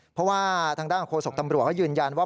เพราะทางด้านะโคสกธรรมบุหรวะข้ายืนยันว่า